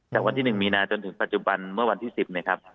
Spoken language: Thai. จากวันที่๑มีนาจนถึงปัจจุบันเมื่อวันที่๑๐นะครับ